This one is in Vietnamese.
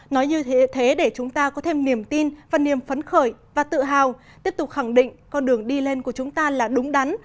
nói như thế để chúng ta có thêm niềm tin và niềm phấn khởi và tự hào tiếp tục khẳng định con đường đi lên của chúng ta là đúng đắn